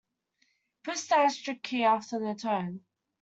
Press the asterisk key after the tone.